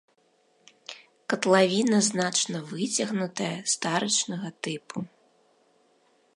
Катлавіна значна выцягнутая, старычнага тыпу.